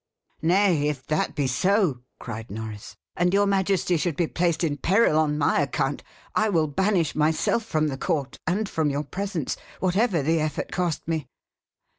"Nay, if that be so," cried Norris, "and your majesty should be placed in peril on my account, I will banish myself from the court, and from your presence, whatever the effort cost me."